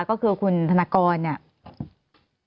ก็คือคุณธนกรเนี่ย